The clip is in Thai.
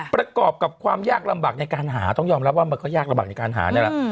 ประกอบกับความยากลำบากในการหาต้องยอมรับว่ามันก็ยากลำบากในการหานี่แหละ